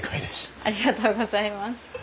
ありがとうございます。